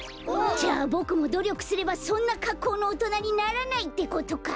じゃあボクもどりょくすればそんなかっこうのおとなにならないってことか！